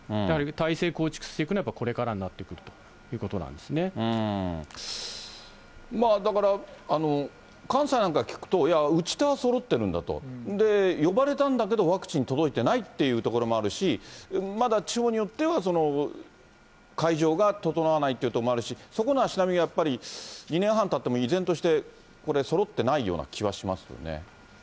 だから、体制を構築していくのは、これからになってくるということなんでだから、関西なんか聞くと、いや、打ち手はそろってるんだと、呼ばれたんだけど、ワクチン、届いてないっていうところもあるし、まだ地方によっては、会場が整わないという所もあるし、そこの足並みがやっぱり、２年半たっても依然としてこれ、そろってないような気はしますよね。